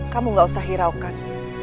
kamu gak usah hiraukan